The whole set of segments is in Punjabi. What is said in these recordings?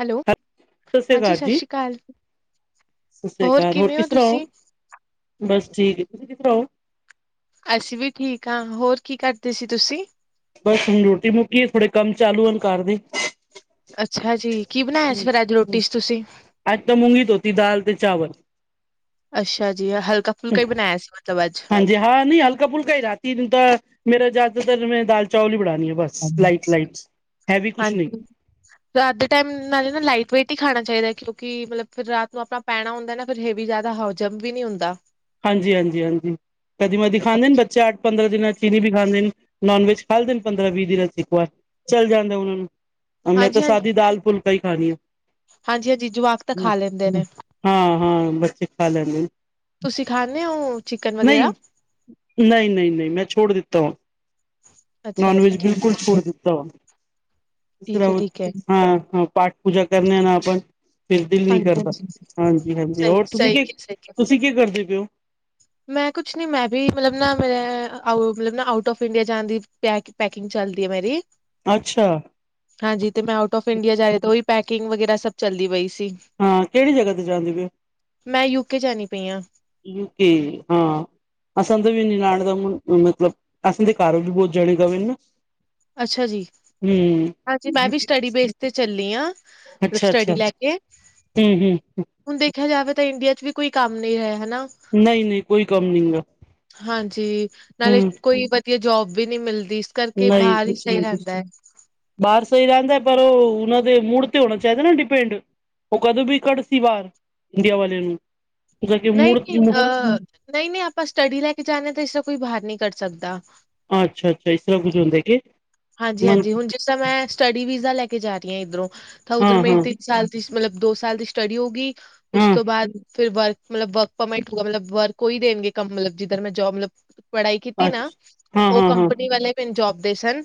ਹੈਲੋ, ਸਤਿ ਸ੍ਰੀ ਹਾਂਜੀ ਅਕਾਲ ਸਤਿ ਜੀ, ਸ਼੍ਰੀ ਅਕਾਲ। ਸਤਿ ਸ੍ਰੀ ਅਕਾਲ, ਹੋਰ ਕਿਵੇਂ ਹੋ ਕਿਸ ਤਰਾਂ? ਤੁਸੀਂ? ਬਸ ਠੀਕ, ਤੁਸੀਂ ਕਿਸ ਤਰਾਂ ਓ? ਅਸੀਂ ਵੀ ਠੀਕ ਆਂ ਹੋਰ ਕੀ ਕਰਦੇ ਸੀ ਤੁਸੀਂ? ਬਸ ਹੁਨ ਰੋਟੀ ਮੁੱਕੀ ਏ ਥੋੜੇ ਕੰਮ ਚਾਲੂ ਹਨ ਘਰ ਦੇ। ਅੱਛਾ ਜੀ, ਕੀ ਬਣਾਇਆ ਸੀ ਫਿਰ ਅੱਜ ਰੋਟੀ ਚ ਤੁਸੀਂ? ਆੱਜ ਤੇ ਮੁੂੰਗੀ ਧੋਤੀ ਦਾਲ ਤੇ ਚਾਵਲ। ਅੱਛਾ ਜੀ, ਹਲਕਾ ਫੁਲਕਾ ਹੀ ਬਣਾਇਆ ਸੀ ਮਤਲਬ ਅੱਜ। ਜੀ ਹਾਂ ਨਹੀਂ ਹਲਕਾ ਫੁਲਕਾ ਹੀ ਰਾਤੀ ਨੂੰ ਤਾਂ ਮੇਰਾ ਜ਼ਿਆਦਾਤਰ ਮੈਂ ਦਾਲ ਚਾਵਲ ਹੀ ਬਨਾਣੀ ਆਂ ਬਸ। ਲਾਈਟ-ਲਾਈਟਸ ਹੈਵੀ ਕੁਛ ਨੀ। ਹਾਂਜੀ। ਰਾਤ ਦੇ ਟਾਈਮ ਨਾਲੇ ਨਾ ਲਾਈਟ ਵੇਟ ਹੀ ਖਾਣਾ ਚਾਹੀਦਾ ਕਿਉਂਕਿ ਮਤਲਬ ਫਿਰ ਰਾਤ ਨੂੰ ਆਪਾਂ ਪੈਣਾ ਹੁੰਦਾ ਨਾ ਫਿਰ ਹੈਵੀ ਜਾਦਾ ਹਜਮ ਵੀ ਨੀ ਹੁੰਦਾ। ਹਾਂਜੀ, ਹਾਂਜੀ, ਹਾਂਜੀ, ਕਦੀ [unintelligible] ਦਿਖਾਂਦੇ ਨ ਬੱਚਾ ਪੰਦਰਾਂ ਦਿਨਾਂ ਚੀਨੀ ਵੀ ਖਾਂਦੇਣ, ਨੋਨਵੇਜ ਖਾਦੇਣ ਪੰਦਰਾਂ ਵੀਹ ਦਿਨਾਂ ਚ ਇੱਕ ਵਾਰ। ਚੱਲ ਜਾਂਦਾ ਉਹਨਾਂ ਨੂੰ, ਮੈਂ ਹਾਂਜੀ ਤਾਂ ਹਾਂਜੀ, ਸਾਦੀ ਦਾਲ ਫੁਲਕਾ ਹੀ ਖਾਨੀ ਆ। ਹਾਂਜੀ ਹਾਂਜੀ ਜਵਾਕ ਤਾਂ ਖਾ ਲੈਂਦੇ ਨੇ ਹਾਂ ਹਾਂ ਬੱਚੇ ਖਾ ਲੈਂਦੇ ਨੇ ਤੁਸੀਂ ਖਾਂਦੇ ਹੋ ਚਿਕਨ ਨਹੀਂ ਵਗੈਰਾ? ਨਹੀਂ ਨਹੀਂ ਨਹੀਂ ਮੈਂ ਛੋੜ ਦਿੱਤਾ ਹੁਣ ਅੱਛਾ ਨੋਨ ਜੀ ਵੈਜ ਠੀਕ ਬਿਲਕੁਲ ਠੀਕ ਛੋੜ ਹੈ, ਦਿੱਤਾ ਵਾ ਥੋੜਾ ਠੀਕ ਹੈ ਓ, ਠੀਕ ਹੈ। ਹਾਂ-ਹਾਂ ਪਾਠ ਪੂਜਾ ਕਰਨੇ ਆ ਨਾ ਆਪਾਂ। ਫਿਰ ਦਿਲ ਨੀ ਹਾਂਜੀ ਕਰਦਾ, ਹਾਂਜੀ, ਹਾਂਜੀ-ਹਾਂਜੀ ਸਹੀ ਹੋਰ ਤੁਸੀਂ ਸਹੀ ਕਿ, ਸਹੀ ਤੁਸੀਂ ਕੀ ਕਰਦੇ ਪੇ ਓ? ਮੈਂ ਕੁਛ ਨੀ ਮੈਂ ਵੀ ਮਤਲਬ ਨਾ ਮੈਂ ਅਹ ਮਤਲਬ ਨਾ ਆਊਟ ਔਫ ਇੰਡੀਆ ਜਾਨ ਦੀ ਪੈਕ ਪੈਕਿੰਗ ਚੱਲਦੀ ਐ ਮੇਰੀ। ਅੱਛਾ। ਹਾਂਜੀ ਤੇ ਮੈਂ ਆਊਟ ਔਫ ਇੰਡੀਆ ਜਾ ਰੀ ਤਾਂ ਓਈ ਪੈਕਿੰਗ ਵਗੈਰਾ ਸਭ ਚੱਲਦੀ ਪਈ ਸੀ। ਹਾਂ ਕਿਹੜੀ ਜਗ੍ਹਾ ਤੇ ਜਾਂਦੀ ਪੇ ਓ? ਮੈਂ ਯੂਕੇ ਜਾਣੀ ਪਈ ਹਾਂ ਯੂ ਕੇ ਹਾਂ। ਅਸਾਂ ਦਾ ਵੀ ਨੀਨਾਣ ਦਾ ਮਤਲਬ ਅਸਾਂ ਦੇ ਘਰ ਵੀ ਬਹੁਤ ਜਣੇ [unintelligible] ਅੱਛਾ ਜੀ, ਹੂੰ ਹਾਂਜੀ ਮੈਂ ਵੀ ਯੂਕੇ। ਸਟੱਡੀ ਬੇਸ ਤੇ ਚੱਲੀ ਆਂ। [unintelligible] ਅੱਛਾ ਸਟੱਡੀ ਅੱਛਾ ਲੈ ਕੇ। ਹੂੰ ਹੂੰ ਹੁਣ ਦੇਖਿਆ ਜਾਵੇ ਤਾਂ ਇੰਡੀਆ ਚ ਵੀ ਕੋਈ ਕੰਮ ਨੀ ਹੈ ਹਨਾ। ਨਹੀਂ ਨਹੀਂ ਕੋਈ ਕੰਮ ਨੀ ਗਾ ਹਾਂਜੀ ਹੂੰ ਨਾਲੇ ਕੋਈ ਕੇ ਜੋਬ ਵੀ ਨਹੀਂ ਮਿਲਦੀ ਇਸ ਕਰਕੇ ਨਹੀਂ ਬਾਹਰ ਹੀ ਕੁਛ ਸਹੀ ਨਹੀਂ ਕੁਛ ਰਹਿੰਦਾ ਹੈ ਬਾਹਰ ਸਹੀ ਰਹਿੰਦਾ ਪਰ ਉਹ ਉਹਨਾਂ ਦੇ ਮੂਡ ਤੇ ਹੋਣਾ ਚਾਹੀਦਾ ਨਾ ਡਿਪੈਂਡ ਉਹ ਕਦੋਂ ਵੀ ਕੱਢ ਸੀ ਬਾਹਰ ਇੰਡੀਆ ਵਾਲੇ ਨੂੰ ਨਹੀਂ ਮੁੜ ਨਹੀਂ ਅਹ ਨਹੀਂ ਨਹੀਂ ਆਪਾਂ ਸਟੱਡੀ ਲੈ ਕੇ ਜਾਂਦੇ ਹਾਂ ਤਾਂ ਇਸਦਾ ਕੋਈ ਬਾਹਰ ਨਹੀਂ ਕਰ ਸਕਦਾ ਅੱਛਾ ਅੱਛਾ ਇਸ ਤਰ੍ਹਾਂ ਕੁੱਝ ਹੁੰਦਾ ਕਿ ਹਾਂਜੀ ਮਨ ਹਾਂਜੀ ਹੁਣ ਜਿਸ ਤਰ ਮੈਂ ਸਟੱਡੀ ਵੀਜ਼ਾ ਲੈ ਕੇ ਜਾ ਰਹੀ ਹਾਂ ਇੱਧਰੋਂ ਤਾਂ ਹਾਂ ਉੱਧਰ ਹਾਂ ਮੇਰੀ ਤੇ ਸਾਲ ਦੀ ਮਤਲਬ ਦੋ ਸਾਲ ਦੀ ਸਟੱਡੀ ਹੋਗੀ ਉਸ ਹਾਂ ਤੋਂ ਬਾਅਦ ਫਿਰ ਵਰਕ ਮਤਲਬ ਵਰਕ ਪਰਮਿਟ ਮਤਲਬ ਵਰਕ ਉਹ ਹੀ ਦੇਣਗੇ ਮੈਂ ਜਿੱਧਰ ਜੋਬ ਮਤਲਬ ਪੜ੍ਹਾਈ ਕੀਤੀ ਨਾ ਅੱਛਾ ਹਾਂ ਉਹ ਹਾਂ ਹਾਂ ਕੰਪਨੀ ਵਾਲੇ ਪ ਜੋਬ ਦੇ ਸਨ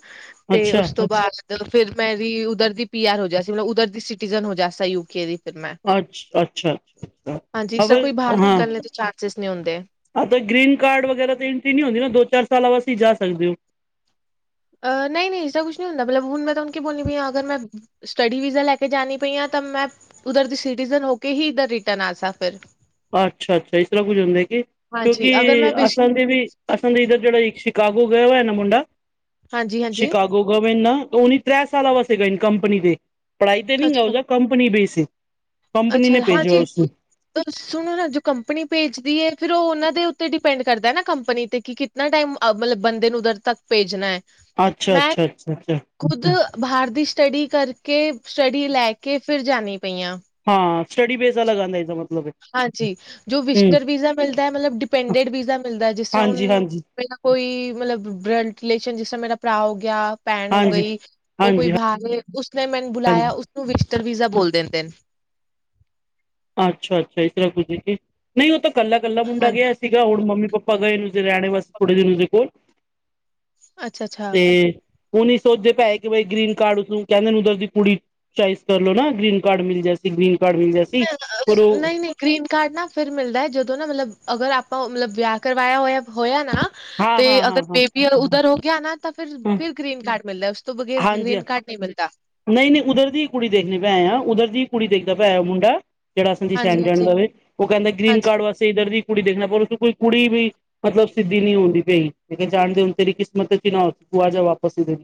ਤੇ ਅੱਛਾ ਉਸ ਤੋਂ ਬਾਅਦ ਤੇ ਫਿਰ ਮੇਰੀ ਉਧਰ ਦੀ ਪੀ ਆਰ ਹੋ ਜਾ ਸੀ ਮਤਲਬ ਉਧਰ ਦੀ ਸਿਟੀਜਨ ਹੋ ਜਾ ਯੂਕੇ ਦੀ ਫਿਰ ਮੈਂ ਅੱਛ ਅੱਛਾ ਅੱਛਾ ਹਾਂਜੀ ਅਬ ਇਸਦਾ ਕੋਈ ਬਰ ਕਰਨ ਦੇ ਚਾਂਸਿਸ ਨਹੀਂ ਹੁੰਦੇ ਹਾਂ ਤਾਂ ਗ੍ਰਰੀਨ ਕਾਰਡ ਵਗੈਰਾ ਤਾਂ ਐਂਟਰੀ ਨਹੀਂ ਹੁੰਦੀ ਨਾ ਦੋ ਚਾਰ ਸਾਲ ਬਾ ਅਸੀਂ ਜਾ ਸਕਦੇ ਹੋ ਅਹ ਨਹੀਂ ਇਸਦਾ ਕੁਛ ਨਹੀਂ ਹੁੰਦਾ ਮਤਲਬ ਹੁਣ ਮੈਂ ਤੁਹਾਨੂੰ ਕੀ ਬੋਲਣੀ ਪਈ ਹਾਂ ਅਗਰ ਮੈਂ ਸਟੱਡੀ ਵੀਜ਼ਾ ਲੈ ਕੇ ਜਾਣੀ ਪਈ ਤਾਂ ਮੈਂ ਉਧਰ ਦੀ ਸਿਟੀਜਨ ਹੋ ਕੇ ਹੀ ਇਧਰ ਰਿਟਰਨ ਆ ਸਕ ਫਿਰ ਅੱਛਾ ਅੱਛਾ ਇਸ ਤਰ੍ਹਾਂ ਕੁੱਝ ਹੁੰਦੇ ਕਿ ਕਿਉਂਕਿ ਅਸਾਂ ਦੇ ਵੀ ਅਸਲ ਦੇ ਇੱਧਰ ਜਿਹੜਾ ਸ਼ਿਕਾਗੋ ਗਿਆ ਹੋਇਆ ਇਹ ਨਾ ਮੁੰਡਾ ਹਾਂਜੀ ਹਾਂਜੀ ਗਵਰਮੈਂਟ ਉਹ ਤ੍ਰ ਸਾਲ ਵਸੇਗਾ ਕੰਪਨੀ ਤੇ ਪੜਾਈ ਤੇ ਨਹੀਂ ਗ ਅੱਛਾ ਉਹ ਕੰਪਨੀ ਬੇਸ ਇਹ ਕੰਪਨੀ ਅੱਛਾ ਨੇ ਹਾਂ ਜੀ ਭੇਜਿਆ ਉਸਨੂੰ ਸੁਣੋ ਨਾ ਜੋ ਕੰਪਨੀ ਭੇਜਦੀ ਹੈ ਫਿਰ ਉਹਨਾਂ ਦੇ ਉੱਤੇ ਡਿਪੈਂਡ ਕਰਦਾ ਨਾ ਕੰਪਨੀ ਤੇ ਕਿਤੇ ਨਾ ਟਾਈਮ ਮਤਲਬ ਬੰਦੇ ਨੂੰ ਉੱਧਰ ਤੱਕ ਭੇਜਣਾ ਹੈ ਅੱਛਾ ਮੈਂ ਅੱਛਾ ਅੱਛਾ ਅੱਛਾ ਖੁਦ ਬਾਹਰ ਦੀ ਸਟੱਡੀ ਕਰਕੇ ਸਟੱਡੀ ਲੈ ਕੇ ਫਿਰ ਜਾਣੀ ਪਈਆਂ ਹਾਂ ਸਟਡੀ ਬੇਸ ਅਲੱਗ ਚ ਮਤਲਬ ਹਾਂਜੀ ਜੋ ਹਮ ਵਿਸਟਰ ਵੀਜ਼ਾ ਮਿਲਦਾ ਮਤਲਬ ਡਿਪੈਂਡਡ ਵੀਜ਼ਾ ਮਿਲਦਾ ਜਿਸ ਤਰ੍ਹਾਂ ਹੁਣ ਹਾਂਜੀ ਹਾਂਜੀ ਮੇਰਾ ਕੋਈ ਮਤਲਬ ਬਲਡ ਰਿਲੇਸ਼ਨ ਜਿਸ ਤ੍ਹਾਂ ਮੇਰਾ ਭਰਾ ਹੋ ਗਿਆ ਭੈਣ ਹੋ ਹਾਂਜੀ ਗਈ ਉਹ ਕੋਈ ਹਾਂਜੀ ਬਾਹਵੇ ਉਸਨੇ ਮੈਨੂੰ ਬੁਲਾਇਆ ਹਾਂਜੀ ਉਸਨੂੰ ਵਿਸ਼ਤਰ ਵੀਜ਼ਾ ਬੋਲ ਦਿੰਦੇ ਨੇ ਅੱਛਾ ਅੱਛਾ ਇਸ ਤਰ੍ਹਾਂ ਕੁਝੀ ਨਹੀਂ ਉਹ ਤਾਂ ਇਕੱਲਾ ਇਕੱਲਾ ਮੁੰਡਾ ਹਾਂਜੀ ਗਿਆ ਸੀਗਾ ਹੁਣ ਮੰਮੀ ਪਾਪਾ ਗਏ ਨੇ ਨਿਊਜ਼ੀਲੈਂਡ ਰਹਿਣੇ ਵਾਸ ਥੋੜੇ ਦਿਨ ਦੇਖੋ ਅੱਛਾ-ਅੱਛਾ। ਤੇ ਉਹ ਨਹੀਂ ਸੋਚਦੇ ਪਏ ਕਿ ਬਈ ਗ੍ਰੀਨ ਕਾਰਡ ਉਸ ਕਹਿੰਦੇ ਉਧਰ ਦੀ ਕੁੜੀ ਚਇਸ ਕਰਲੋ ਨਾ ਗ੍ਰੀਨ ਕਾਰਡ ਮਿਲ ਜਾ ਸੀ ਗ੍ਰੀਨ ਕਾਰਡ ਮਿਲ ਜਾ ਸੀ ਨਹੀਂ ਨਹੀਂ ਗਰੀਨ ਕਾਰਡ ਨਾ ਫਿਰ ਮਿਲਦਾ ਜਦੋਂ ਨਾ ਮਤਲਬ ਅਗਰ ਆਪਾਂ ਮਤਲਬ ਵਿਆਹ ਕਰਵਾਇਆ ਹੋਇਆ ਹੋਇਆ ਨਾ। ਹਾਂ ਤੇ ਹਾਂ ਅਗਰ ਹਾਂ ਬੇਬੀ ਉਧਰ ਹੋ ਗਿਆ ਨਾ ਤਾਂ ਫਿਰ ਹਾਂ ਫਿਰ ਗ੍ਰੀਨ ਕਾਰਡ ਮਿਲਦਾ। ਤੋਂ ਬਗੈਰ ਗ੍ਰੀਨ ਕਾਰਡ ਨਹੀਂ ਮਿਲਦਾ। ਨਹੀਂ-ਨਹੀਂ ਉਧਰ ਦੀ ਹੀ ਕੁੜੀ ਦੇਖਣੇ ਪੈਏ ਆ ਉਧਰ ਦੀ ਹੀ ਕੁੜੀ ਦੇਖਦਾ ਪਿਆ ਆ ਮੁੰਡਾ। ਜਿਹੜਾ ਸੰਜੀ ਸਹਿਣ ਹਾਂਜੀ-ਹਾਂਜੀ, ਜਾਣ ਹਾਂਜੀ। ਦਾਵੇ ਉਹ ਕਹਿੰਦਾ ਗ੍ਰਰੀਨ ਹਾਂਜੀ ਕਾਰਡ ਵਾਸਤੇ ਇੱਧਰ ਦੀ ਕੁੜੀ ਦੇਖਣਾ ਪਰ ਉਸਨੂੰ ਕੋਈ ਕੁੜੀ ਵੀ ਮਤਲਬ ਸਿੱਧੀ ਨਹੀਂ ਹੁੰਦੀ ਪਈ ਜਾਣਦੇ ਹੋਣ ਤੇਰੀ ਕਿਸਮਤ ਚ ਨਾ ਤੂੰ ਆ ਜਾ ਵਾਪਸ ਇਧਰ ਹੀ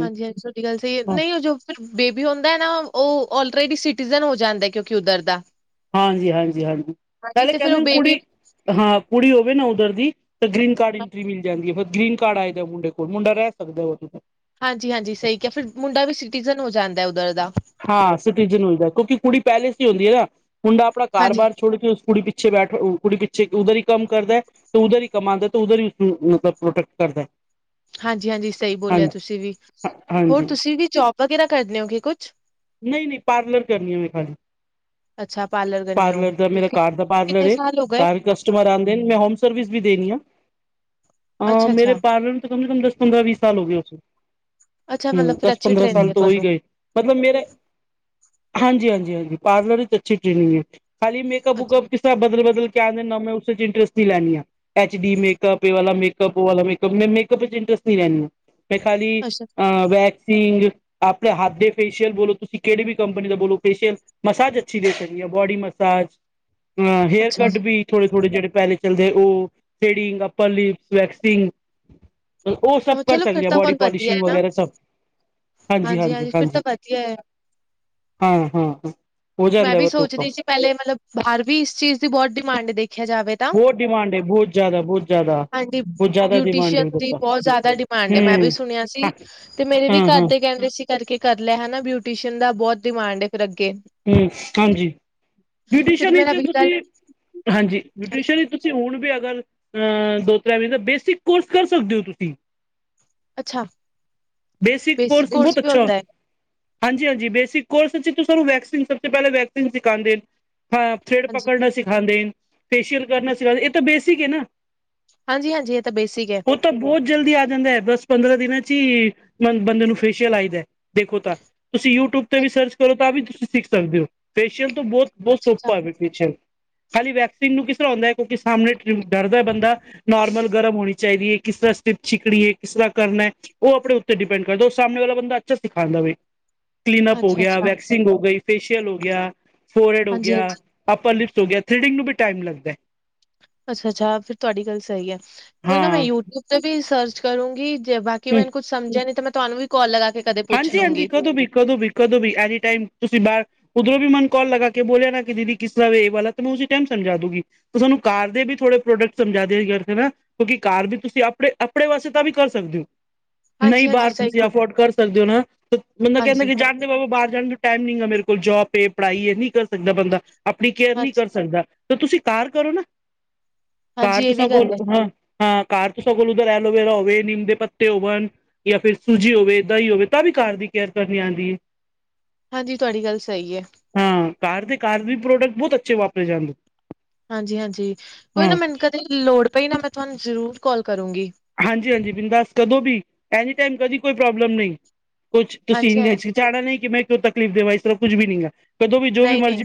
ਹਾਂਜੀ ਹਾਂਜੀ ਤੁਹਾਡੀ ਗੱਲ ਸਹੀ ਹੈ ਨਹੀਂ ਹਜੂਰ ਬੇਬੀ ਹੁੰਦਾ ਨਾ ਉਹ ਆਲਰੇਡੀ ਸਿਟੀਜਨ ਹੋ ਜਾਂਦਾ ਕਿਉਂਕਿ ਉੱਧਰ ਦਾ ਹਾਂਜੀ ਹਾਂਜੀ ਹਾਂਜੀ ਹਾਂਜੀ ਪਹਿਲੇ ਤੇ ਫਿਰ ਕਹਿੰਦੇ ਉਹ ਨੇ ਬੇਬੀ ਕੁੜੀ ਹਾਂ ਕੁੜੀ ਹੋਵੇ ਨਾ ਉੱਧਰ ਦੀ ਤਾਂ ਗ੍ਰਰੀਨ ਕਾਰਡ ਇਂਟਰੀ ਮਿਲ ਜਾਂਦੀ ਫਿਰ ਗ੍ਰਰੀਨ ਕਾਰਡ ਆਏ ਜਾ ਮੁੰਡੇ ਕੋਲ ਮੁੰਡਾ ਰਹਿ ਸਕਦਾ ਹੁੰਦੇ ਕੋਲ ਹਾਂਜੀ ਹਾਂਜੀ ਸਹੀ ਕਿਹਾ ਫਿਰ ਮੁੰਡਾ ਵੀ ਸਿਟੀਜਨ ਹੋ ਜਾਂਦਾ ਉਧਰ ਦਾ ਹਾਂ ਸਿਟੀਜਨ ਮਿਲਦਾ ਕਿਉਂਕਿ ਕੁੜੀ ਪਹਿਲੇ ਸੀ ਹੀ ਹੁੰਦੀ ਹੈ ਨਾ ਮੁੰਡਾ ਆਪਣਾ ਹਾਂਜੀ। ਕਾਰਬਾਰ ਛੋੜ ਕੇ ਉਸ ਕੁੜੀ ਪਿੱਛੇ ਬੈਠ ਕੁੜੀ ਪਿੱਛੇ ਉਧਰ ਹੀ ਕੰਮ ਕਰਦਾ ਹੈ ਤੇ ਉਧਰ ਹੀ ਕਮਉਂਦਾ ਤੇ ਉਧਰ ਹੀ ਪ੍ਰੋਟੈਕਟ ਕਰਦਾ ਹਾਂਜੀ ਹਾਂਜੀ ਸਹੀ ਹਾਂਜੀ ਬੋਲਿਆ ਤੁਸੀਂ ਵੀ ਹੋਰ ਹਾਂਜੀ ਤੁਸੀਂ ਵੀ ਜੋਬ ਵਗੈਰਾ ਕਰਦੇ ਹੋਗੇ ਕੁਛ ਨਹੀਂ ਨਹੀਂ ਪਾਰਲਰ ਕਰਨੀ ਹੈ ਮੈਂ ਖਾਲੀ ਅੱਛਾ ਕਰਨੇ ਹੋ ਪਾਰਲਰ ਦਾ ਮੇਰਾ ਕਿ- ਘਰ ਦਾ ਪਾਰਲਰ ਕਿੰਨੇ ਹੈ ਸਾਲ ਹੋ ਗਏ ਕਰ ਕਸਟਮਰ ਆਂਦੇ ਨੇ ਮੈਂ ਹੋਮ ਸਰਵਿਸ ਵੀ ਦੇਣੀ ਆ ਮੇਰੇ ਅੱਛਾ-ਅੱਛਾ, ਪਾਰਲਰ ਪੰਦਰਾਂ-ਵੀਹ ਸਾਲ ਹੋ ਗਏ ਉਸ, ਅੱਛਾ ਅੱਛਾ ਮਤਲਬ ਹੂੰ ਫਿਰ ਦਸ ਅੱਛੀ ਪੰਦਰਾਂ ਸਾਲ ਟ੍ਰੇਨਿੰਗ ਹੈ ਤੋਂ ਹੋ ਹੀ ਤੁਹਾਨੂੰ ਗਏ ਮਤਲਬ ਮੇਰੇ ਹਾਂਜੀ ਹਾਂਜੀ ਹਾਂਜੀ ਪਾਰਲਰ ਵਿੱਚ ਅੱਛੀ ਟ੍ਰੇਨਿੰਗ ਹੈ। ਖਾਲੀ ਮੇਕਅਪ ਅੱਛਾ, ਵੂਕਅਪ ਕਿਸ ਤ੍ਹਰਾਂ ਬਦਲ-ਬਦਲ ਕੇ ਕਿਆ ਦੇ ਮੈਂ ਉਸ ਚ ਇੰਟਰਸਟ ਨਹੀਂ ਲੈਣੀ ਆ, ਐਚ ਡੀ ਮੇਕਅਪ ਇਹ ਵਾਲਾ ਮ [unintelligible] ਵਾਲਾ ਮੇਕਅਪ ਮੈਂ ਮੇਕਅਪ ਚ ਇੰਟਰਸਟ ਨਹੀਂ ਲੈਂਦੀ, ਮੈਂ ਖਾਲੀ ਅੱਛਾ ਅਹ ਵੈਕਸਿੰਗ ਆਪਣੇ ਹੱਥ ਦੇ ਫੇਸ਼ੀਅਲ ਬੋ ਤੁਸੀਂ ਕਿਹੜੀ ਵੀ ਕੰਪਨੀ ਦਾ ਬੋਲੋ ਫੇਸ਼ੀਅਲ ਮਸਾਜ ਅੱਛੀ ਦੇ ਸਕਦੇ ਆ ਬੋਡੀ ਮਸਾਜ ਹਾਂ ਹੇਅਰ ਕੱਟ ਅ ਵੀ ਥੋੜੇ-ਥੋੜੇ ਜਿਹੜੇ ਪਹਿਲੇ ਚੱਲਦੇ ਉਹ, ਥੇਡਿੰਗ, ਅੱਪਰ ਲਿਪਸ, ਵੈਕਸਿੰਗ ਉਹ ਸਭ ਕਰ ਚਲੋ ਫਿਰ ਸਕਦੇ ਆ ਤਾਂ ਬੋਡੀ ਬਹੁਤ ਵਧੀਆ ਹੈ ਪੋਲਿਸ਼ਿੰਗ ਨਾ ਵਗੈਰਾ ਸਭ, ਹਾਂਜੀ-ਹਾਂਜੀ ਹਾਂਜੀ। [unintelligible] ਹਾਂ ਹਾਂ ਹਾਂ ਮੈਂ ਵੀ ਸੋਚਦੀ ਸੀ ਪਹਿਲੇ ਮਤਲਬ ਬਾਹਰ ਵੀ ਇਸ ਚੀਜ਼ ਦੀ ਬਹੁਤ ਡਿਮਾਂਡ ਦੇਖਿਆ ਜਾਵੇ ਤਾਂ। ਬਹੁਤ ਡਿਮਾਂਡ ਹੈ ਬਹੁਤ ਜ਼ਿਆਦਾ ਬਹੁਤ ਜ਼ਿਆਦਾ ਹਾਂਜੀ ਬਹੁਤ ਜ਼ਿਆਦਾ ਡਿਮਾਂਡ ਹੈ ਬਿਊਟੀਸ਼ਅਨ ਉਧਰ ਦੀ ਤਾਂ ਬਹੁਤ ਜ਼ਿਆਦਾ ਭਾਂਡੇ ਮੈਂ ਹਮ ਵੀ ਸੁਣਿਆ ਸੀ, ਹਾਂ ਤੇ ਮੇਰੇ ਵੀ ਹਾਂ ਹਾਂ ਘਰ ਦੇ ਕਹਿੰਦੇ ਸੀ ਤਨ ਕੇ ਕਰ ਲੈ ਹਨਾ ਬਿਊਟੀਸ਼ਨ ਦਾ ਬਹੁਤ ਡਿਮਾਂਡ ਹੈ ਫਿਰ ਅੱਗੇ। ਹੂੰ ਹਾਂਜੀ, ਬਿਊਟੀਸ਼ਨ ਫਿਰ ਮੇਰਾ ਵਿੱਚ ਵੀਜ਼ਾ ਤੁਸੀਂ, ਹਾਂਜੀ ਬਿਊਟੀਸ਼ਨ ਲੱਗ- ਵਿੱਚ ਤੁਸੀ ਹੁਣ ਵੀ ਅਗਰ, ਅਹ ਦੋ ਮਹੀਨੇ ਦਾ ਬੇਸਿਕ ਕੋਰਸ ਕਰ ਸਕਦੇ ਹੋ ਤੁਸੀਂ। ਅੱਛਾ ਬੇਸਿਕ ਕੋਰਸ ਬਹੁਤ ਵੀ ਅੱਛਾ। ਹੁੰਦਾ ਏ? ਹਾਂਜੀ-ਹਾਂਜੀ ਬੇਸਿਕ ਕੋਰਸ ਵਿੱਚ ਸਾਨੂੰ ਵੈਕਸੀਨ ਸਭ ਤੋਂ ਪਹਿਲਾਂ ਵੈਕਸੀਨ ਸਿਖਉਂਦੇ ਹਾਂ। ਥਰੈਡ ਹਾਂਜੀ, ਪਕੜਨਾ ਸਿਖਾਉਂਦੇ, ਫੇਸ਼ੀਅਲ ਕਰਨਾ ਸਿਖਾਦੇ ਇਹ ਤਾਂ ਬੇਸਿਕ ਹੈ ਨਾ। ਹਾਂਜੀ-ਹਾਂਜੀ ਇਹ ਤਾਂ ਬੇਸਿਕ ਹੈ। ਉਹ ਤਾਂ ਬਹੁਤ ਜਲਦੀ ਆ ਜਾਂਦਾ ਹੈ ਬਸ ਪੰਦਰਾਂ ਦਿਨਾਂ ਚ ਹੀ ਬੰਦੇ ਨੂੰ ਫੇਸ਼ੀਅਲ ਆਈਦਾ ਦੇਖੋ ਤਾਂ, ਤੁਸੀਂ ਯੂਟਿਊਬ ਤੇ ਵੀ ਸਰਚ ਕਰੋ ਤਾਂ ਵੀ ਤੁਸੀਂ ਸਿੱਖ ਸਕਦੇ ਹੋ। ਫੇਸ਼ੀਅਲ ਤੋ ਬਹੁਤ, ਬਹੁਤ ਅੱਛਾ-ਅੱਛਾ, ਸੋਫਪਾ ਹੈ ਫੇਸ਼ੀਅਲ। ਖਾਲੀ ਵੈਕਸੀਨ ਨੂੰ ਕਿਸ ਤਰ੍ਹਾਂ ਆਉਂਦਾ ਹੈ ਕਿਉਂਕਿ ਸਾਹਮਣੇ ਡਰਦਾ ਹੈ ਬੰਦਾ ਨੋਰਮਲ ਗਰਮ ਹੋਣੀ ਚਾਹੀਦੀ ਹੈ ਕਿਸ ਤਰ੍ਹਾਂ ਸਿ ਛਕੜੀ ਹੈ, ਕਿਸ ਤਰ੍ਹਾਂ ਕਰਨਾ ਹੈ ਉਹ ਆਪਣੇ ਉੱਤੇ ਡਿਪੈਂਡ ਕਰਦਾ ਉਹ ਸਾਹਮਣੇ ਵਾਲਾ ਬੰਦਾ ਅੱਛਾ ਸਿਖਾਦਾ ਵੇ। ਕਲੀਨਅਪ ਹੋ ਗਿਆ, ਅੱਛਾ-ਅੱਛਾ, ਵੈਕਸਿੰਗ ਹੋ ਗਈ। ਫੇਸ਼ੀਅਲ ਹੋ ਗਿਆ, ਫੋਰਹੈੱਡ ਹੋ ਗਿਆ, ਹਾਂਜੀ-ਹਾਂਜੀ, ਅੱਪਰ ਲਿਪਸ ਹੋ ਗਿਆ, ਥਰੈਡਿੰਗ ਨੂੰ ਵੀ ਟਾਇਮ ਲੱਗਦਾ। ਅੱਛਾ-ਅੱਛਾ ਫਿਰ ਤੁਹਾਡੀ ਗੱਲ ਸਹੀ ਹੈ ਕੋਈ ਨਾ ਮੈਂ ਯੂਟਿਊਬ ਤੇ ਵੀ ਸਰਚ ਕਰੂੰਗੀ। ਜੇ ਬਾਕੀ ਮੈਂਨੂੰ ਕੁੱਝ ਸਮਝਿਆ ਨਹੀ ਤਾਂ ਮੈਂ ਤੁਹਾਨੂੰ ਵੀ ਕਾਲ ਲਗਾ ਕੇ ਕਦੇ ਪੁੱਛ ਹਾਂਜੀ-ਹਾਂਜੀ ਲੂੰਗੀ। ਕਦੋਂ ਵੀ ਕਦੋਂ ਵੀ ਕਦੋਂ ਵੀ ਐਨੀ ਟਾਈਮ ਤੁਸੀਂ ਬਾਹਰ ਉਧਰੋਂ ਵੀ ਮਨ ਕਾਲ ਲਗਾ ਕੇ ਬੋਲਿਆ ਨਾ ਕਿ ਦੀਦੀ ਕਿਸ ਤਰ੍ਹਾਂ ਇਹ ਵਾਲਾ ਮੈਂ ਉਸੇ ਟਾਈਮ ਸਮਝਾ ਦੂਗੀ। ਸਾਨੂੰ ਕਾਰ ਦੇ ਵੀ ਥੋੜੇ ਪ੍ਰੋਡਕਟ ਸਮਝਾ ਦੇ ਕਰਕੇ ਨਾ ਕਿਉਂਕਿ ਕਾਰ ਵੀ ਤੁਸੀਂ ਆਪਣੇ ਆਪਣੇ ਵਾਸਤੇ ਤਾਂ ਵੀ ਕਰ ਸਕਦੇ ਹੋ ਨਹੀਂ ਹਾਂਜੀ-ਹਾਂਜੀ, ਬਾਹਰ ਸਹੀ ਤੁਸੀਂ ਬੋਲ ਅਫੋਰਡ ਕਰ ਤੇ ਮਤਲਬ ਕਹਿੰਦੇ ਹਾਂਜੀ, ਕਿ ਜਾਣਦੇ ਬਾਹਰ ਜਾਣ ਦਾ ਟਾਈਮ ਨੀਗਾ ਮੇਰੇ ਕੋਲ ਜੋਬ ਏ ਪੜ੍ਹਾਈ ਹੈ, ਨਹੀਂ ਕਰ ਸਕਦਾ ਬੰਦਾ ਆਪਣੀ ਕੇਅਰ ਨਹੀਂ ਹਾਂਜੀ, ਕਰ ਸਕਦਾ ਤਾਂ ਤੁਸੀਂ ਘਰ ਕਰੋ ਨਾ, ਘਰ ਹਾਂਜੀ ਇਹ ਤੁਸਾਂ ਵੀ ਗੱਲ ਕੋਲ ਐ, ਹਾਂ ਹਾਂ ਘਰ ਤੋਂ ਸਗਲ ਉਧਰ ਐਲੋਵੇਰਾ ਹੋਵੇ, ਨਿੰਮ ਦੇ ਪੱਤੇ ਹੋਵਣ ਜਾਂ ਫਿਰ ਸੂਜੀ ਹੋਵੇ ਹੀ ਹੋਵੇ ਤਾਂ ਵੀ ਘਰ ਦੀ ਕੇਅਰ ਕਰਨੀ ਆਂਦੀ। ਹਾਂਜੀ ਤੁਹਾਡੀ ਗੱਲ ਸਹੀ ਹੈ। ਹਾਂ ਕਾਰ ਦੇ ਕਾਰ ਵੀ ਪ੍ਰੋਡਕਟ ਬਹੁਤ ਅੱਛੇ ਵਾਪਰੇ ਜਾਂਦੇ। ਹਾਂਜੀ-ਹਾਂਜੀ ਕੋਈ ਨਾ ਹਾਂ ਮੈਨੂੰ ਕਦੇ ਲੋੜ ਪਈ ਨਾ ਮੈਂ ਤੁਹਾਨੂੰ ਜ਼ਰੂਰ ਕੌਲ ਕਰੂੰਗੀ। ਹਾਂਜੀ-ਹਾਂਜੀ ਬਿਦਾਸ ਕਦੋਂ ਵੀ ਐਨੀ ਟਾਈਮ ਕਦੀ ਕੋਈ ਪ੍ਰੋਬਲਮ ਨਹੀਂ। ਕੁਛ ਤੁਸੀਂ ਹਾਂਜੀ-ਹਾਂਜੀ ਚਾੜਣਾ ਨਹੀਂ ਕਿ ਮੈਂ ਕਿਉਂ ਤਕਲੀਫ਼ ਦੇਵਾ ਇਸ ਤਰ੍ਹਾਂ ਕੁੱਝ ਵੀ ਨੀਗਾ। ਨਹੀਂ-ਨਹੀਂ,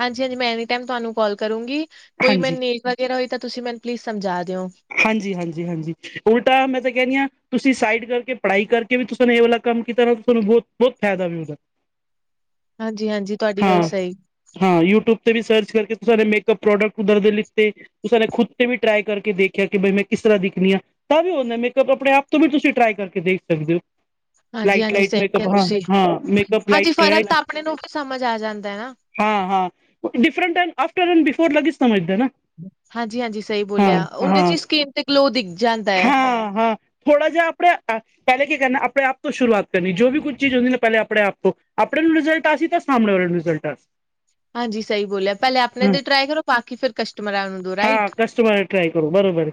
ਹਾਂਜੀ-ਹਾਂਜੀ ਮੈਂ ਐਨੀ ਟਾਈਮ ਤੁਹਾਨੂੰ ਕਾਲ ਕਰੂੰਗੀ ਕੋਈ ਮੈ ਹਾਂਜੀ ਨੇਕ ਵ ਫੇਰ ਹੋਈ ਤਾਂ ਤੁਸੀਂ ਮੈਨੂੰ ਪਲੀਜ਼ ਸਮਝਾ ਦਿਓ। ਹਾਂਜੀ-ਹਾਂਜੀ ਹਾਂਜੀ ਉਲਟਾ ਮੈਂ ਤਾਂ ਕਹਿਦੀ ਹਾਂ ਤੁਸੀਂ ਸਾਈਡ ਕਰਕੇ ਪੜ੍ਹਾਈ ਕਰਕੇ ਵੀ ਤੁਸੀਂ ਨੇ ਇਹ ਵਾਲਾ ਕੰਮ ਕੀਤਾ ਨਾ ਤੁਾਨੂੰ ਬਹੁਤ ਬਹੁਤ ਫਾਇਦਾ ਵੀ ਉਹਦਾ। ਹਾਂਜੀ ਹਾਂਜੀ ਤੁਹਾਡੀ ਗੱਲ ਹਾਂ ਸਹੀ। ਹਾਂ ਯੂਟਿਊਬ ਤੇ ਵੀ ਸਰਚ ਕਰਕੇ ਨੇ ਮੇਕਅਪ ਪ੍ਰੋਡਕਟ ਉਦੇ ਲਿੱਤੇ ਤੁ ਨੇ ਖੁਦ ਤੇ ਵੀ ਟਰਾਈ ਕਰਕੇ ਦੇਖ, ਕਿ ਮੈਂ ਕਿਸ ਤਰ੍ਹਾਂ ਦੇਖਣੀ ਹ ਤਾਂ ਵੀ ਉਹਦਾ ਮੇਕਅਪ ਆਪਣੇ ਆਪ ਤੋਂ ਵੀ ਤੁਸੀਂ ਟਰਾਈ ਕਰਕੇ ਦੇਖ ਸਕਦੇ ਹੋ। [inaudible] ਹਾਂਜੀ ਹਾਂਜੀ ਸਹੀ ਕਿਹਾ ਤੁਸੀਂ ਹਾਂਜੀ ਫ਼ਰਕ ਤਾਂ ਆਪਣੇ ਨੂੰ ਵੀ ਸਮਝ ਆ ਜਾਂਦਾ ਹੈ ਨਾ ਹਾਂ ਹਾਂ different time after and before ਲਾ ਕੇ ਸਮਝਦਾ ਨਾ ਹਾਂਜੀ - ਹਾਂਜੀ ਸਹੀ ਬੋਲਿਆ ਉਹ ਦੀ ਸਕਿਨ ਤੇ ਗਲੋ ਦਿਗ ਜਾਂਦਾ ਹੈ। ਥੋੜਾ ਜਿਹਾ ਆਪਣੇ ਪਹਿਲੇ ਕੀ ਕਰਨਾ ਆਪਣੇ ਆਪ ਤੋਂ ਸ਼ੁਰੂਆਤ ਕਰਨੀ। ਜੋ ਵੀ ਕੁਝ ਚੀਜ਼ ਹੁੰਦੀ ਨਾ ਪਹਿਲੇ ਆਪਣੇ ਆਪ ਤੋਂ ਆਪਣੇ ਨੂੰ ਰਿਜ਼ਲਟ ਆ ਸੀ ਤਾਂ ਸਾਹਮਣੇ ਵਾਲੇ ਨੂੰ ਰਿਜ਼ਲਟ ਆ ਸੀ। ਹਾਂਜੀ। ਸਹੀ ਬੋਲਿਆ ਪਹਿਲੇ ਆਪਣੇ ਟਰੀ ਕਰੋ ਬਾਕੀ ਕਸਟਮਰ ਨੂੰ ਦੋ ਰਾਇਟ ਟ੍ਰਾਈ ਕਰੋ ਬਰਾਬਰ।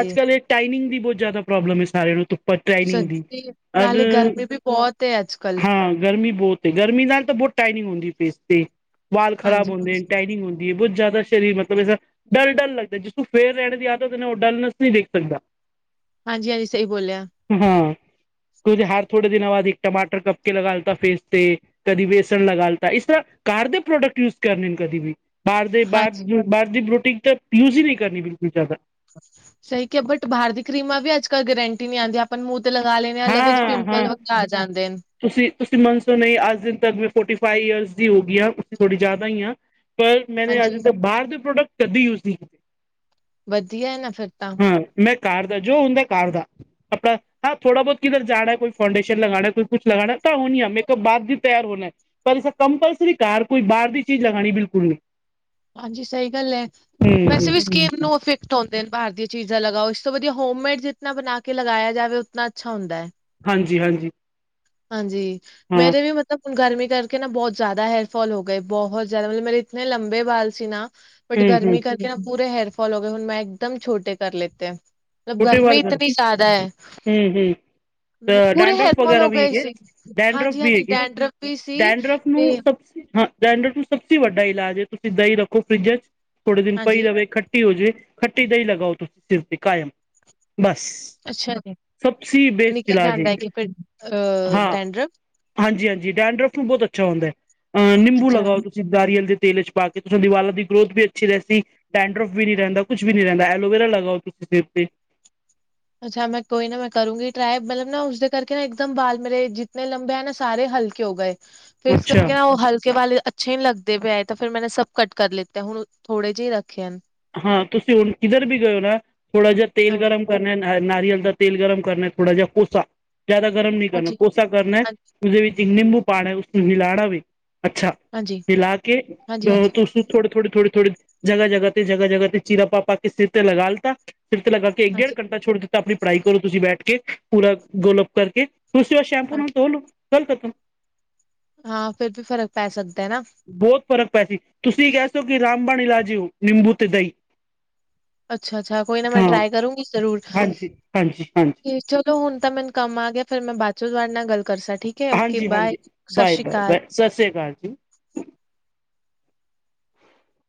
ਅੱਜ ਕੱਲ ਟਾਈਮਿੰਗ ਦੀ ਬਹੁਤ ਜ਼ਿਆਦਾ ਪ੍ਰੋਬਲਮ ਹੈ ਸਾਰਿਆਂ ਨੂੰ ਟਾਈਮਿੰਗ ਦੀ। ਸੱਚੀ ਨਾਲੇ ਗਰਮੀ ਵੀ ਬਹੁਤ ਅੱਜ ਕੱਲ। ਤੇ ਗਰਮੀ ਨਾਲ ਤਾਂ ਬਹੁਤ ਟਾਈਨਿੰਗ ਹੁੰਦੀ ਫੇਸ ਤੇ ਬਾਲ ਖਰਾਬ ਹਾਂਜੀ, ਹੁੰਦੇ ਟਾਈਨਿੰਗ ਹੁੰਦੀ। ਬਹੁਤ ਜ਼ਿਆਦਾ ਸ਼ਰੀਰ ਮਤਲਬ ਐਸਾ ਡਰ ਲੱਗਦਾ ਜਿਸ ਤੂੰ ਫੇਰ ਰਹਿਣ ਦੀ ਆਦਤ ਨੇ ਉਹ ਡਲਨੈਸ ਨਹੀਂ ਦੇਖ ਸਕਦਾ। ਹਾਂਜੀ ਹਾਂਜੀ ਸਹੀ ਬੋਲਿਆ ਹਾਂ, ਕਿਉਂ ਹਾਰ ਥੋੜੇ ਦਿਨਾਂ ਬਾਅਦ ਇੱਕ ਟਮਾਟਰ ਕਟਕੇ ਲਗਾਲਤਾ ਫੇਸ ਤੇ ਕਦੀ ਵੇਸਣ ਲਗਾ ਲਤਾ ਇਸ ਤਰ੍ਹਾਂ ਕਾਰ ਦੇ ਪ੍ਰੋਡਕਟ ਯੂਜ ਕਰਨੇ ਨੇ ਕਦੇ ਵੀ। ਬਾਹਰ ਦੇ ਬਾਹਰ ਬਾਹਰ ਦੀ ਬੋਟੀਗ ਤਾਂ ਯਊਜ਼ ਹੀ ਨਹੀਂ ਕਰਨੀ ਬਿਲਕੁਲ ਜਾ ਦਾ। ਸਹੀ ਕਿਹਾ ਬਟ ਬਾਹਰ ਦੀ ਕਰੀਮਾ ਵੀ ਅੱਜ ਕੱਲ੍ਹ ਗਰੰਟੀ ਨਹੀਂ ਆਉਂਦੀ ਆਪ ਆਪਾਂ ਮੂੰਹ ਤੇ ਲਗਾ ਲੈਂਦੇ ਹਾਂ ਅਲੱਗ ਚ ਪਿੰਪਲ ਆ ਜਾਂਦੇ ਨੇ। ਤੁਸੀਂ ਤੁਸੀਂ ਮੰਨ ਲਓ ਅੱਜ ਦਿਨ ਤੱਕ ਮੈਂ ਫੋਰਟੀ ਫਾਈਵ ਈਅਰ ਦੀ ਹੋ ਗਈ ਹਾਂ ਇਸਤੋਂ ਥੋੜ੍ਹੀ ਜ਼ਿਆਦਾ ਹੀ ਹਾਂ ਪਰ ਮੈਂ ਅਜੇ ਹਾਂਜੀ ਤੱਕ ਬਾਹਰ ਦੇ ਪ੍ਰੋਡਕਟ ਕਦੀ ਯੂਜ ਨਹੀਂ ਕੀਤੇ। ਵਧੀਆ ਨਾ ਫਿਰ ਤਾਂ। ਹਾਂ ਮੈਂ ਘਰ ਦਾ ਜੋ ਹੁੰਦਾ ਘਰ ਦਾ ਆਪਣਾ ਹਾਂ ਥੋੜਾ ਬਹੁਤ ਕਿਧਰ ਜਾਣਾ ਕੋਈ ਫਾਊਂਡੇਸ਼ਨ ਲਗਾਉਣਾ ਕੋਈ ਕੁਛ ਲਗਾਉਣਾ ਤਾਂ ਹੋਣੀ ਹੈ ਮੇਕਅਪ ਬਾਅਦ ਵੀ ਤਿਆਰ ਹੋਣਾ। ਪਰ ਇਸ ਕੰਪਲਸਰੀ ਕਾਰ ਕੋਈ ਬਾਹਰ ਦੀ ਚੀਜ਼ ਲਗਉਣੀ ਬਿਲਕੁਲ ਨਹੀਂ ਹਾਂਜੀ ਸਹੀ ਗੱਲ ਹੈ ਹੂੰ ਵੈਸੇ ਹੂੰ ਵੀ ਸਕੀਮ ਦੋ ਫਿਰ ਬਾਹਰ ਦੀਆਂ ਚੀਜ਼ਾਂ ਇਸ ਤੋਂ ਵਧੀਆ ਹੋਮਮੇਡ ਜਿਤਨਾ ਬਣਾ ਕੇ ਲਗਾਇਆ ਜਾਵੇ ਉਤਨਾ ਅੱਛਾ ਹੁੰਦਾ ਹੈ। ਹਾਂਜੀ ਹਾਂਜੀ। ਹਾਂਜੀ ਹਾਂ ਮੇਰੇ ਵੀ ਹੁਣ ਗਰਮੀ ਕਰਕੇ ਨਾ, ਬਹੁਤ ਜ਼ਿਆਦਾ ਹੇਅਰਫੌਲ ਹੋ ਗਏ। ਬਹੁਤ ਜ਼ਿਆਦਾ! ਮਤਲਬ, ਮੇਰੇ ਇਤਨੇ ਲੰਬੇ ਬਾਲ ਸੀ ਨਾ ਬਟ ਹੂੰ ਹੂੰ ਗਰਮੀ ਕਰਕੇ ਨਾ ਪੂਰੇ ਹੇਅਰਫੋਲ ਹੋ ਗਏ, ਹੁਣ ਮੈਂ ਇੱਕਦਮ ਛੋਟੇ ਕਰ ਲਿੱਤੇ। ਮਤਲਬ ਛੋਟੇ ਗਰਮੀ ਵਾਲ ਕਰ ਇਤਨੀ ਜ਼ਿਆਦਾ ਐ, ਹੂੰ ਹੂੰ ਪੂਰੇ ਡੈਂਡਰਫ ਹੇਅਰਫੌਲ ਵਗੈਰਾ ਹੋ ਵੀ ਗਏ ਹੈਗੇ ਸੀ, ਡੈਂਡਰਫ ਵੀ ਹਾਂਜੀ-ਹਾਂਜੀ ਹੈਗੇ ਡੈਂਡ੍ਰਫ ਵੀ ਸੀ, ਡੈਂਡਰਫ ਨੂੰ ਤੇ ਸਭ ਹਾਂ, ਡੈਂਡ੍ਰਫ ਨੂੰ ਸਭ ਸੇ ਵੱਡਾ ਇਲਾਜ ਏ, ਤੁਸੀਂ ਦਹੀਂ ਰੱਖੋ ਫਰਿੱਜ'ਚ ਥੋੜੇ ਦਿਨ ਪਈ ਹਾਂਜੀ, ਰਵੇ, ਖੱ ਖਟੀ ਹੋ ਜਾਵੇ ਖੱਟੀ ਦਾ ਹੀ ਲਗਾਓ ਤੁਸੀਂ ਸਿਰ ਤੇ ਕਾਇਮ ਬਸ ਅੱਛਾ ਜੀ ਸਭ ਸੇ ਬੇਸਟ ਨਿਕਲ ਇਲਾਜ ਜਾਂਦਾ ਹੈ ਫਿਰ ਹਾਂ ਡੈਂਡਰਵ ਹਾਂਜੀ ਹਾਂਜੀ, ਡੈਨਡਰਫ ਨੂੰ ਬਹੁਤ ਅੱਛਾ ਹੁੰਦਾ ਅਹ ਨਿੰਬੂ ਅੱਛਾ। ਲਗਾਓ ਤੁਸੀਂ ਨਾਰੀਅਲ ਦੇ ਤੇਲ ਚ ਪਾ ਕੇ ਤੁਹਾਡੇ ਵਾਲਾਂ ਦੀ ਗਰੋਥ ਵੀ ਅੱਛੀ ਰਹਿੰਦੀ। ਡੈਂਡਰੋਫ ਵੀ ਨਹੀਂ ਰਹਿੰਦਾ ਕੁਛ ਵੀ ਨੀ ਰਹਿੰਦਾ ਐਲੋਵੇਰਾ ਲਗਾਓ ਤੁਸੀਂ ਸਿਰ ਤੇ ਅੱਛਾ ਮੈਂ ਕੋਈ ਨਾ ਮੈਂ ਕਰੂੰਗੀ ਟਰਾਈ ਮਤਲਬ ਨਾ ਉਸਦੇ ਕਰਕੇ ਨਾ ਇੱਕਦਮ ਬਾਲ ਮੇਰੇ ਜਿਨੇ ਲੰਬੇ ਹੈ ਨਾ ਸਾਰੇ ਹਲਕੇ ਹੋ ਗਏ ਫਿਰ ਅੱਛਾ ਕਰਕੇ ਨਾ ਉਹ ਹਲਕੇ ਵਾਲੇ ਅੱਛੇ ਨ ਲੱਗ ਪਏ ਤਾਂ ਫਿਰ ਮੈਂ ਸਭ ਕਟ ਕਰ ਲਿੱਤੇ ਹੁਣ ਥੋੜੇ ਜਿਹੇ ਰੱਖੇ ਹਨ। ਹਾਂ ਤੁਸੀਂ ਹੁਣ ਕਿਧਰ ਵੀ ਗਏ ਹੋ ਨਾ ਥੋੜ੍ਹਾ ਜਿਹਾ ਤੇਲ ਹਾਂਜੀ, ਗਰਮ ਕਰ ਨਾਰੀਅਲ ਦਾ ਤੇਲ ਗਰਮ ਕਰਨਾ ਥੋੜਾ ਜਿਹਾ ਕੋਸਾ ਜਿਆਦਾ ਗਰਮ ਨਹੀਂ ਕਰਨਾ ਹਾਂਜੀ, ਕੋਸਾ ਕਰਨਾ। ਉਸਦੇ ਵਿੱਚ ਨਿੰਬੂ ਪਾਣਾ ਹੈ, ਉਸਨੂੰ ਮਿਲਾਣਾ ਵੇ, ਅੱਛਾ, ਹਾਂਜੀ, ਮਿਲਾਕੇ ਹਾਂਜੀ, ਹਾਂਜੀ, ਉਸ ਥੋੜੇ-ਥੋੜੇ, ਥੋੜੀ-ਥੋੜੀ, ਜਗ੍ਹਾ ਜਗਾ ਤੇ, ਜਗ੍ਹਾ ਜਗ੍ਹਾ ਤੇ, ਚੀਰਾ ਪਾ-ਪਾ ਪਾਕੇ ਸਿਰ ਤੇ ਲਗਾ ਲਿੱਤਾ ਸਿਰ ਤੇ ਲੱਗਾ ਕੇ, ਇੱਕ-ਡੇਢ ਘੰਟਾ ਛੋੜ ਦਿੱਤਾ, ਆਪਣੀ ਪੜ੍ਹਾਈ ਕਰੋ ਤੁਸੀਂ ਬੈਠਕੇ, ਪੂਰਾ ਗੋਲ ਅਪ ਕਰਕੇ। ਤੁਸੀ ਓ, ਸ਼ੈੈਂਪੂ ਨਾਲ ਹਾਂਜੀ। ਧੋਲੋ, ਗੱਲ ਖਤਮ। ਹਾਂ, ਫਿਰ ਤੇ ਫ਼ਰਕ ਪੈ ਸਕਦਾ ਨਾ। ਬਹੁਤ ਫ਼ਰਕ ਪੈਸੀ, ਤੁਸੀਂ ਕਹਿਸੋ ਕੀ, ਰਾਮਬਾਣ ਇਲਾਜ ਹੈ ਓ, ਨਿੰਬੂ ਤੇ ਦਹੀਂ ਅੱਛਾ-ਅੱਛਾ, ਕੋਈ ਨਾ ਮੈਂ ਹਾਂ ਟ੍ਰਾਈ ਕਰੂੰਗੀ ਜ਼ਰੂਰ, ਹਾਂਜੀ ਹਾਂਜੀ ਹਾਂਜੀ ਚਲ ਚਲੋ ਹੁਣ ਤਾਂ ਮੈਨੂੰ ਕੰਮ ਆਗਿਆ। ਫਿਰ ਮੈਂ ਬਾਅਦ'ਚੋਂ ਤੁਹਾਡੇ ਨਾਲ ਗੱਲ ਕਰਸਾ ਠੀਕ ਹੈ, ਓਕੇ, ਹਾਂਜੀ ਬਾਏ, ਹਾਂਜੀ ਸਤਿ ਬਾਏ ਸ਼੍ਰੀ ਬਾਏ ਅਕਾਲ। ਬਾਏ ਸਤਿ ਸ੍ਰੀ ਅਕਾਲ ਜੀ